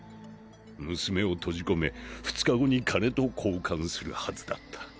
娘を閉じ込め２日後に金と交換するはずだった。